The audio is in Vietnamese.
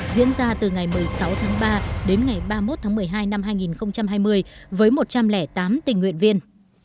diễn ra từ ngày một mươi sáu tháng ba đến ngày ba mươi một tháng một mươi hai năm hai nghìn hai mươi với một trăm linh tám tình nguyện viên